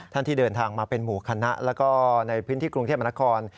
ที่เดินทางมาเป็นหมู่คณะแล้วก็ในพื้นที่กรุงเทพมนคร